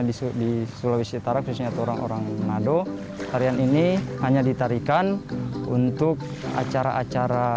di sulawesi utara khususnya orang orang nado tarian ini hanya ditarikan untuk acara acara